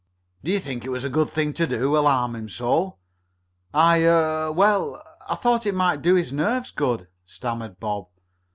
"Do you think it was a good thing to do, alarm him so?" "I er well, I thought it might do his nerves good," stammered Bob.